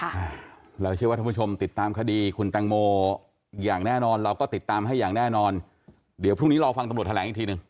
เราเชื่อว่าท่านผู้ชมติดตามคดีคุณแตงโมอย่างแน่นอนเราก็ติดตามให้อย่างแน่นอนเดี๋ยวพรุ่งนี้รอฟังตำรวจแถลงอีกทีหนึ่ง